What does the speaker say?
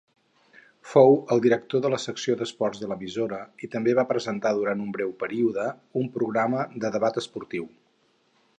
Fou el director de la secció d'esports de l'emissora i també va presentar durant un breu període un programa de debat esportiu.